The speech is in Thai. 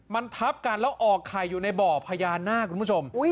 มันทับกันแล้วออกไข่อยู่ในบ่อพญานาคคุณผู้ชม